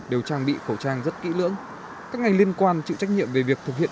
đều trang bị khẩu trang rất kỹ lưỡng các ngành liên quan chịu trách nhiệm về việc thực hiện